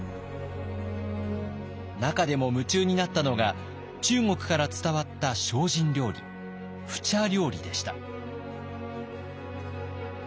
中でも夢中になったのが中国から伝わった精進料理普茶料理でした。